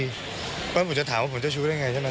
เพราะผมจะถามว่าผมเจ้าชู้ได้ไงใช่ไหม